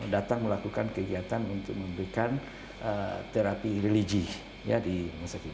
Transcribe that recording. datang melakukan kegiatan untuk memberikan terapi religi di rumah sakit